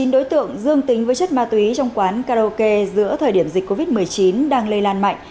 chín đối tượng dương tính với chất ma túy trong quán karaoke giữa thời điểm dịch covid một mươi chín đang lây lan mạnh